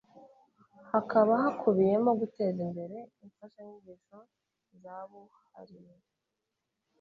Hakaba hakubiyemo guteza imbere imfashanyigisho zabuhariwe